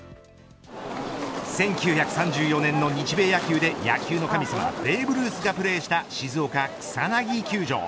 １９３４年の日米野球で野球の神様ベーブ・ルースがプレーした、静岡草薙球場。